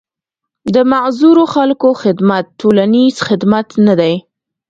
د معذورو خلکو خدمت ټولنيز خدمت نه دی.